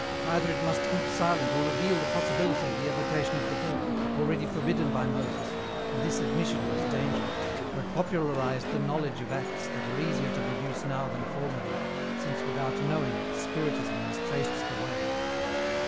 Either it must keep silent or reveal the possibility of the evocation of the dead, already forbidden by Moses, and this admission was dangerous, for it popularized the knowledge of acts that are easier to produce now than formerly, since without knowing it Spiritism has traced the way.